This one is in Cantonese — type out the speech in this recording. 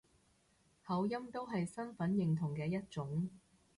口音都係身份認同嘅一種